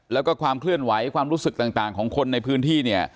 แล้วก็ความเคลื่อนไหวความรู้สึกต่างของคนในพื้นที่เนี่ย